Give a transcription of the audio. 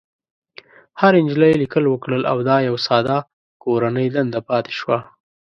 هرې نجلۍ ليکل وکړل او دا يوه ساده کورنۍ دنده پاتې شوه.